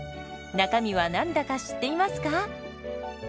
中身は何だか知っていますか？